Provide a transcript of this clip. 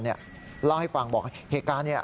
เล่าให้ฟังบอกเหตุการณ์นี้